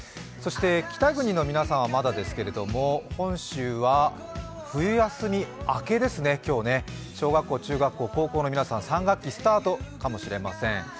そして北国の皆さんはまだですけど本州は冬休み明けですね、今日はね小学校、中学校、高校の皆さん３学期スタートかもしれません。